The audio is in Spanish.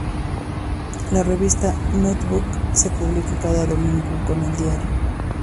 La revista "Notebook" se publica cada domingo con el diario.